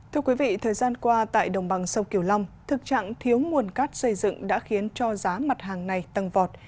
thưa quý vị thời gian qua tại đồng bằng sông kiều long thực trạng thiếu nguồn cát xây dựng đã khiến cho giá mặt hàng này tăng vọt